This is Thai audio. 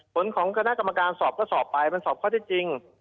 ผลของคณะกรรมการสอบก็สอบไปมันสอบข้อที่จริง